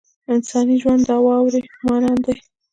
انساني ژوند د واورې مانند دی.